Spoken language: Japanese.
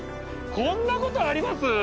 こんなことあります？